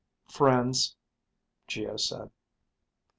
"Friends," Geo said.